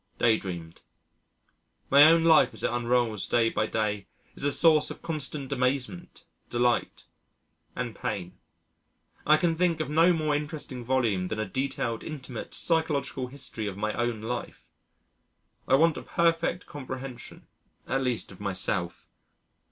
Day dreamed. My own life as it unrolls day by day is a source of constant amazement, delight, and pain. I can think of no more interesting volume than a detailed, intimate, psychological history of my own life. I want a perfect comprehension at least of myself....